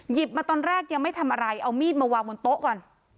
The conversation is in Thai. มาตอนแรกยังไม่ทำอะไรเอามีดมาวางบนโต๊ะก่อน